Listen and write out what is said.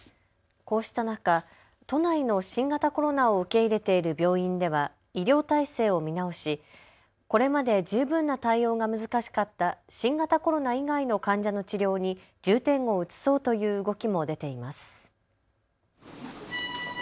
こうした中、都内の新型コロナを受け入れている病院では医療体制を見直し、これまで十分な対応が難しかった新型コロナ以外の患者の治療に重点を移そうという動きも出ています。